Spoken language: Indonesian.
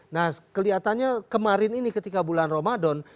nah kelihatannya kemarin ini ketika bulan ramadan